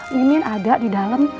mimin ada di dalam